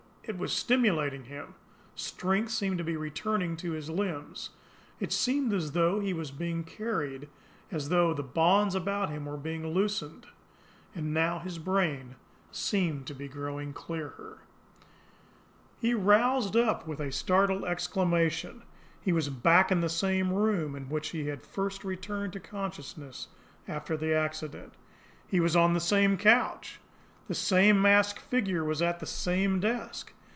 It was STIMULATING him! Strength seemed to be returning to his limbs; it seemed as though he were being carried, as though the bonds about him were being loosened; and now his brain seemed to be growing clearer. He roused up with a startled exclamation. He was back in the same room in which he had first returned to consciousness after the accident. He was on the same couch. The same masked figure was at the same desk.